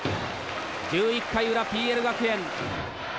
１１回裏ＰＬ学園。